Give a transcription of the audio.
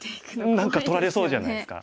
何か取られそうじゃないですか。